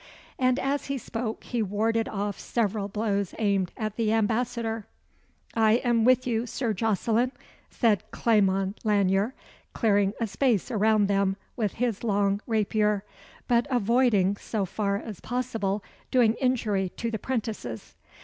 And as he spoke he warded off several blows aimed at the ambassador. "I am with you, Sir Jocelyn," said Clement Lanyere, clearing a space around them with his long rapier, but avoiding, so far as possible, doing injury to the 'prentices.